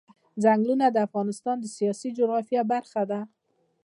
ځنګلونه د افغانستان د سیاسي جغرافیه برخه ده.